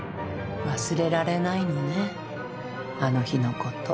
忘れられないのねあの日のこと。